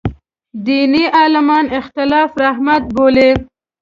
دیني عالمان اختلاف رحمت بولي.